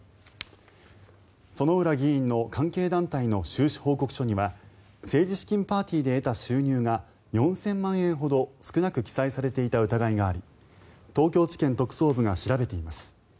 薗浦議員の関係団体の収支報告書には政治資金パーティーで得た収入が４０００万円ほど少なく記載されていた疑いがあり東京地検特捜部が調べています。